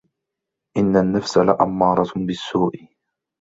إنَّ النَّفْسَ لَأَمَّارَةٌ بِالسُّوءِ